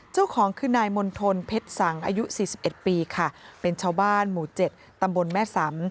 เจ้าของคือนายมณฑลเพชรสังอายุ๔๑ปีค่ะเป็นชาวบ้านหมู่๗ตำบลแม่สำ